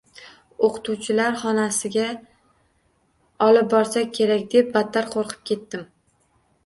O‘qituvchilar xonasiga olib borsa kerak, deb battar qo‘rqib ketdim.